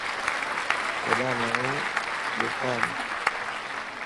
وڏا ماڻهون ٻيٽان